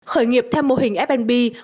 khởi nghiệp theo mô hình f b